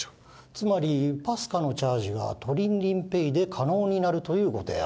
つまりＰＡＳＣＡのチャージがトリンリンＰａｙで可能になるというご提案？